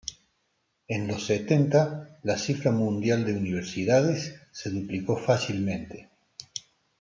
En los setenta, la cifra mundial de universidades se duplicó fácilmente.